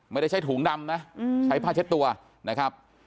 ไม่ได้ใช้ถุงดำนะใช้ผ้าเช็ดตัวนะครับ